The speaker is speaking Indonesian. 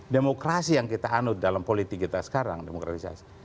demokrasi yang kita anut dalam politik kita sekarang demokratisasi